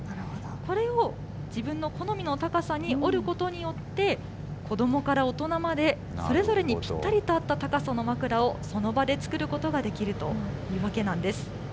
これを自分の好みの高さに折ることによって、子どもから大人まで、それぞれにぴったりと合った高さの枕を、その場で作ることができるというわけなんです。